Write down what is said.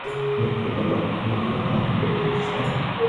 ভিক্ষুকও লক্ষ মুদ্রা দান করিতে চায়।